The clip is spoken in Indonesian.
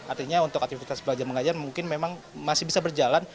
artinya untuk aktivitas belajar mengajar mungkin memang masih bisa berjalan